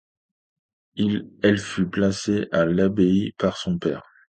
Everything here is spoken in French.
Elle fut placée à l'abbaye par son père.